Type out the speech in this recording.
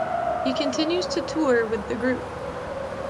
He continues to tour with the group.